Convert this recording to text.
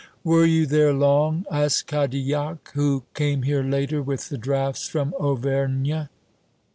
"Were you there long?" asks Cadilhac, who came here later, with the drafts from Auvergne.